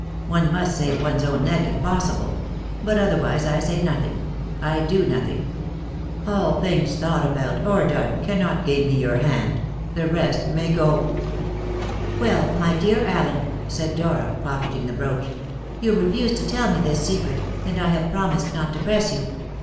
One must save one's own neck if possible; but otherwise I say nothing, I do nothing. All things thought about, or done, cannot gain me your hand; the rest may go." "Well, my dear Allen," said Dora, pocketing the brooch, "you refuse to tell me this secret, and I have promised not to press you.